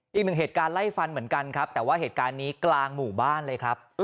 อีกหนึ่งเหตุการณ์ไล่ฟันเหมือนกันครับแต่ว่าเหตุการณ์นี้กลางหมู่บ้านเลยครับ